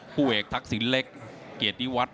ผู้เอกทักษินเล็กเกรดนิวัฒน์